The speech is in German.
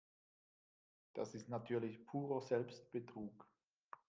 Das ist natürlich purer Selbstbetrug.